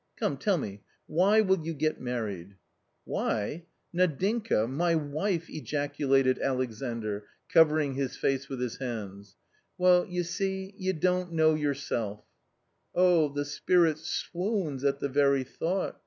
Come, tell me, why will you get married ?"" Why ? Nadinka — my wife !" ejaculated Alexandr, cover ing His face with his hands. " Well, you see — you don't know yourself." " Oh the spirit swoons at the very thought.